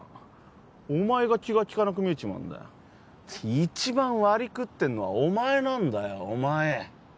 お前が気が利かなく見えちまうんだよ一番割食ってんのはお前なんだよお前！